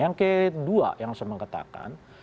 yang kedua yang saya mengatakan